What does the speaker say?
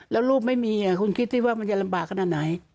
แล้วลูกไม่มีคุณคิดสิว่ามันจะลำบากขนาดไหน